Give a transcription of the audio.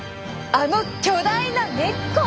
あの巨大な根っこ！